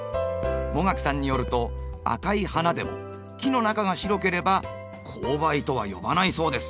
茂垣さんによると赤い花でも木の中が白ければ紅梅とは呼ばないそうです。